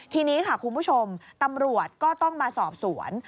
ทีนี้ค่ะคุณผู้ชมตำรวจก็ต้องมาสอบสวน